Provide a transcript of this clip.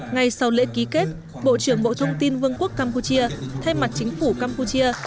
ngay sau lễ ký kết bộ trưởng bộ thông tin vương quốc campuchia thay mặt chính phủ campuchia